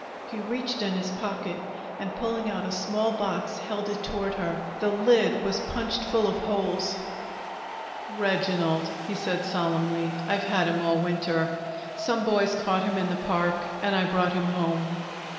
He reached in his pocket and, pulling out a small box, held it toward her. The lid was punched full of holes. "Reginald," he said solemnly. "I've had him all winter. Some boys caught him in the park, and I brought him home."